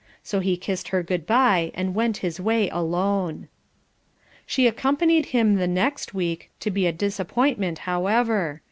So he kissed her good bye, and went his way alone. She accompanied him the next week; to be a disappointment, however.